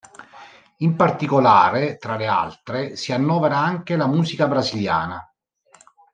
In particolare, tra le altre, si annovera anche la musica brasiliana.